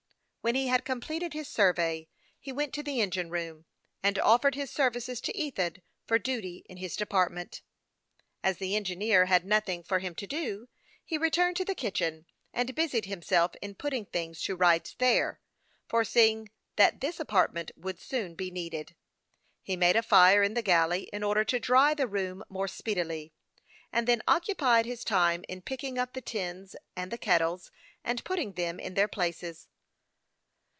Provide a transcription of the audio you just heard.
When he had completed his survey, he went to the engine room, and offered his services to Ethan for duty in his department. As the engineer had noth ing for him to do, he returned to the kitchen, and busied himself in putting things to rights there, foreseeing that this apartment would soon be needed. He made a fire in the galley, in order to dry the room more speedily, and then occupied his time in picking up the tins and the kettles, and putting them in their places.